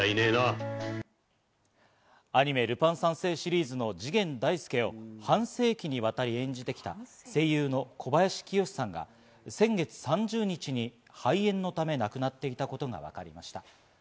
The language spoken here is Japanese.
次元大介っていう強い相棒がいなかったら、おめぇなんぞは、アニメ『ルパン三世』シリーズの次元大介を半世紀にわたり演じてきた声優の小林清志さんが先月３０日に肺炎のため亡くなっていたことがわかりました。